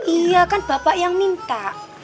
iya kan bapak yang minta